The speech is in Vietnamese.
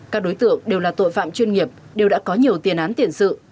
các đối tượng đều là tội phạm chuyên nghiệp đều đã có nhiều tiền án tiền sự